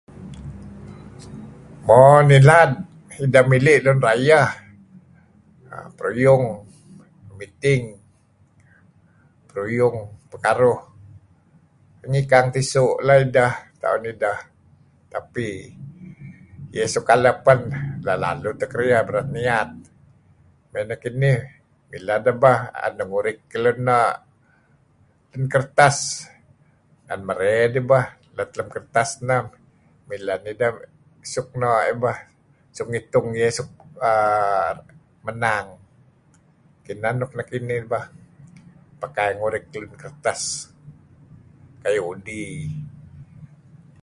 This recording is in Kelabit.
Mo ngilad ideh mili' lun rayeh peruyung miting peruyung pekaruh pigang tisu' nideh tuen ideh. Tapi iih suk kaleh pen lalud teh kediah, daet niat. Nekinih mileh deh bah tuen deh ngurit luun na' lun kertas tuen marey dih bah tuen deh marey lam kertas neh mileh nideh suk noh dih bah suk ngitung iih menang. Inan nuk nekinih bah.